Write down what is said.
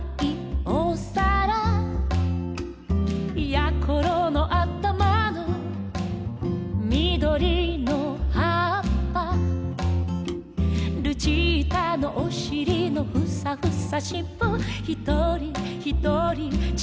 「やころのあたまのみどりのはっぱ」「ルチータのおしりのふさふさしっぽ」「ひとりひとりちがうもの」